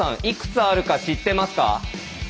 いくつあるか知ってますか？